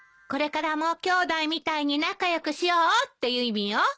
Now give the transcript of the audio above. これからもきょうだいみたいに仲良くしようっていう意味よ。